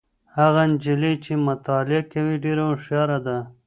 هغه نجلۍ چي مطالعه کوي ډېره هوښياره ده.